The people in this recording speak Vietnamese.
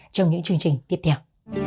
trong những chương trình tiếp theo